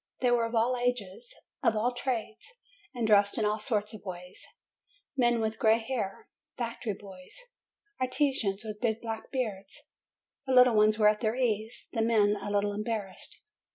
They were of all ages, of all trades, and dressed in all sorts of ways, men with gray hair, factory boys, artisans with big black beards. The little ones were at their ease; the men, a little embarrassed.